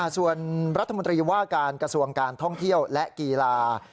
ส่วนรัฐมนตรีว่าการกระทรวงการท่องเที่ยวและกีฬา